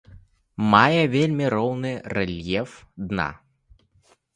Мае вельмі роўны рэльеф дна.